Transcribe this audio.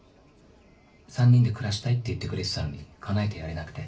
３人で暮らしたいって言ってくれてたのにかなえてやれなくて。